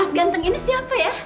mas ganteng ini siapa ya